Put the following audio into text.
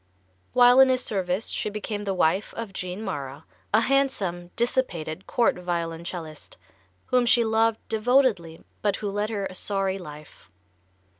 While in his service she became the wife of Jean Mara, a handsome, dissipated court violoncellist, whom she loved devotedly, but who led her a sorry life.